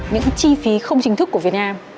những chi phí không chính thức của việt nam